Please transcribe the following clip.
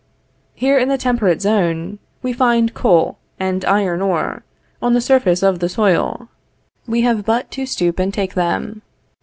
Here in the temperate zone, we find coal and iron ore, on the surface of the soil; we have but to stoop and take them.